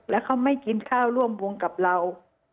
แล้วเขาไม่กินข้าวร่วมวงกับเรา